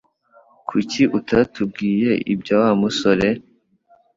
Kuki utatubwiye ibya Wa musore?